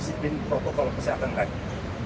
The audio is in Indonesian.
disiplin protokol kesehatan kan